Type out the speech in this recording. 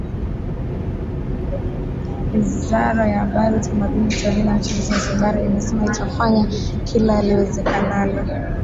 Wizara ya Habari Utamaduni Utalii na Michezo Zanzibar imesema itafanya kila liwezekanalo